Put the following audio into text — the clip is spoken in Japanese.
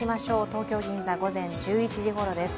東京・銀座、午前１１時ごろです。